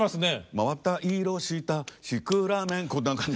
「真綿色したシクラメン」こんな感じ。